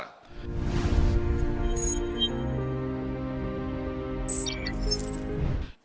kedepan bank indonesia memandang penguatan nilai tukar rupiah berpotensi berlanjut secara year to date mencatat depresiasi sekitar satu tujuh puluh dua